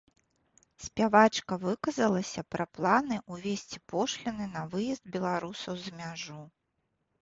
Спявачка выказалася пра планы ўвесці пошліны на выезд беларусаў за мяжу.